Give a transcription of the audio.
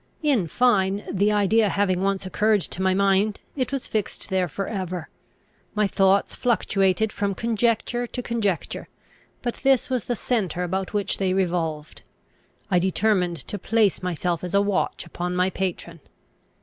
In fine, the idea having once occurred to my mind, it was fixed there for ever. My thoughts fluctuated from conjecture to conjecture, but this was the centre about which they revolved. I determined to place myself as a watch upon my patron.